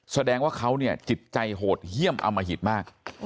แสดงว่าเขาเนี่ยจิตใจโหดเยี่ยมอมหิตมาก